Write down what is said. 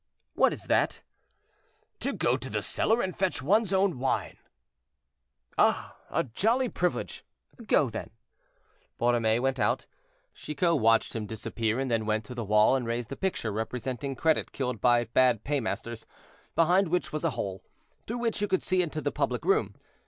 "What is that?" "To go to the cellar and fetch one's own wine." "Ah! a jolly privilege. Go, then." Borromée went out. Chicot watched him disappear, and then went to the wall and raised a picture, representing Credit killed by bad paymasters, behind which was a hole, through which you could see into the public room.